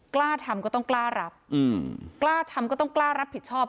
กล้าทำก็ต้องกล้ารับกล้าทำก็ต้องกล้ารับผิดชอบ